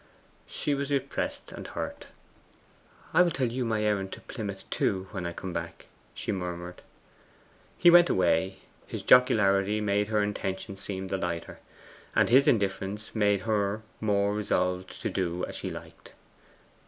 She was repressed and hurt. 'I will tell you my errand to Plymouth, too, when I come back,' she murmured. He went away. His jocularity made her intention seem the lighter, as his indifference made her more resolved to do as she liked.